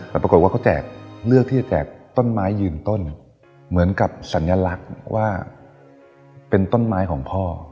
แต่ปรากฏว่าเขาแจกเลือกที่จะแจกต้นไม้ยืนต้นเหมือนกับสัญลักษณ์ว่าเป็นต้นไม้ของพ่อ